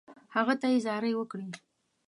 هغه ته یې زارۍ وکړې.